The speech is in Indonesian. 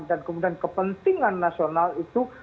dan kemudian kepentingan nasional itu